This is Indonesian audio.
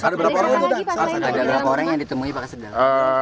ada berapa orang yang ditemui pak kaseda